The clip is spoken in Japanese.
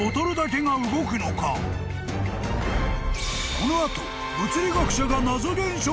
［この後］